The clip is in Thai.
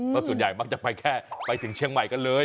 เพราะส่วนใหญ่มักจะไปแค่ไปถึงเชียงใหม่กันเลย